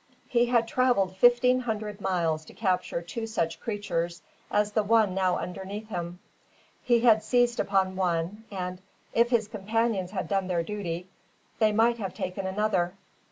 He had travelled fifteen hundred miles to capture two such creatures as the one now underneath him. He had seized upon one, and, if his companions had done their duty, they might have taken another.